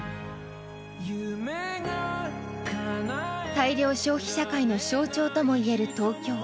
大量消費社会の象徴ともいえる東京。